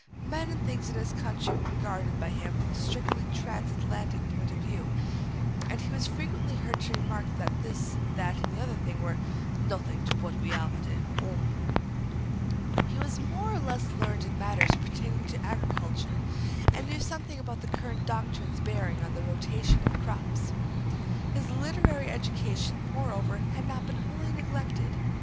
Men and things in this country were regarded by him from a strictly trans Atlantic point of view, and he was frequently heard to remark that this, that, and the other thing were "nothink to what we 'ave at 'ome." He was more or less learned in matters pertaining to agriculture, and knew something about the current doctrines bearing on the rotation of crops. His literary education, moreover, had not been wholly neglected.